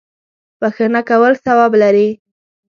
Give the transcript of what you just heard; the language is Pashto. بخښه کول ثواب لري.